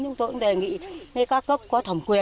chúng tôi cũng đề nghị với các cấp có thẩm quyền